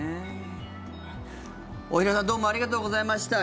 大平さんどうもありがとうございました。